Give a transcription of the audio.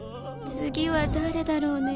次は誰だろうね。